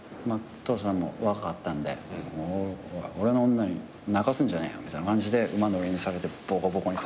父さんも若かったんで「俺の女泣かすんじゃねえよ」みたいな感じで馬乗りにされてボコボコに。